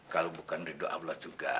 kalau bukan ridho allah juga